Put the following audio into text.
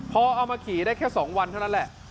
พอเอามาขี่ได้แค่๒วันเท่านั้นแหละ